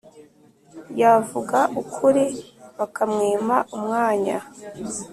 yavuga ukuri, bakamwima umwanya